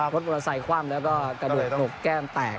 รถมอเตอร์ไซคว่ำแล้วก็กระโดดหนกแก้มแตก